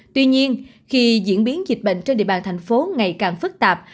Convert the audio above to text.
tuy nhiên khi diễn biến dịch bệnh trên địa bàn thành phố ngày càng phức tạp